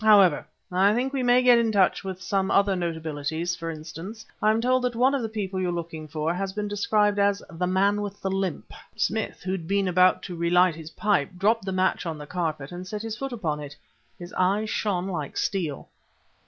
However, I think we may get in touch with some other notabilities; for instance, I'm told that one of the people you're looking for has been described as 'the man with the limp'?" Smith, who had been about to relight his pipe, dropped the match on the carpet and set his foot upon it. His eyes shone like steel.